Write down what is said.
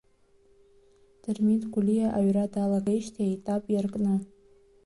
Дырмит Гәлиа аҩра далагеижьҭеи аетап иаркны.